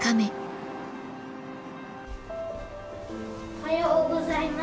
おはようございます。